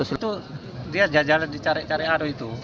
iya itu dia jalan jalan dicari cari aru itu